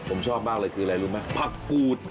ผมชอบมากเลยคืออะไรรู้ไหมผักกูด